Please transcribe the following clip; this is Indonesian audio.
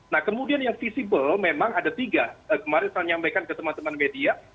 nah kemudian yang visible memang ada tiga kemarin saya nyampaikan ke teman teman media